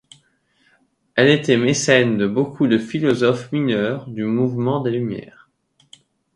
Elle était mécène de beaucoup de philosophes mineurs du mouvement des lumières.